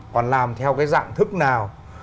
còn làm theo cái dạng thức nào